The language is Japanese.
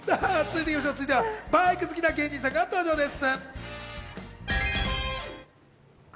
続いてはバイク好きな芸人さんが登場です。